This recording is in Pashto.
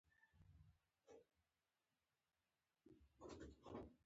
د غاښونو د درد لپاره کوم بوټی وکاروم؟